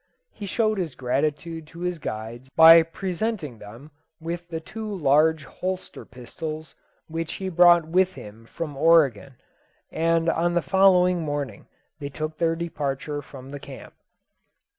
He showed his gratitude to his guides by presenting them with the two large holster pistols which he brought with him from Oregon; and on the following morning they took their departure from the camp.